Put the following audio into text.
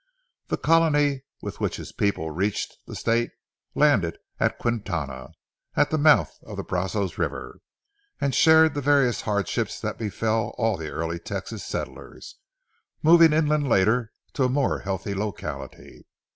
The colony with which his people reached the state landed at Quintana, at the mouth of the Brazos River, and shared the various hardships that befell all the early Texan settlers, moving inland later to a more healthy locality.